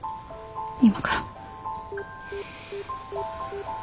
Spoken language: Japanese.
今から。